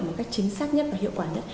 một cách chính xác nhất và hiệu quả nhất